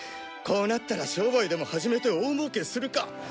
こうなったら商売でも始めて大もうけするか！